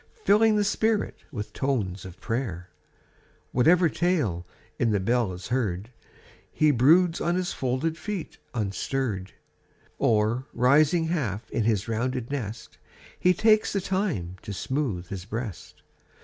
Filling the spirit with tones of prayer Whatever tale in the bell is heard, lie broods on his folded feet unstirr'd, Oi, rising half in his rounded nest. He takes the time to smooth his breast.